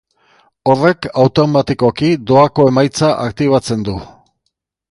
Horrek, automatikoki, doako emaitza aktibatzen du.